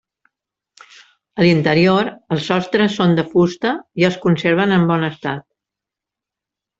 A l'interior, els sostres són de fusta i es conserven en bon estat.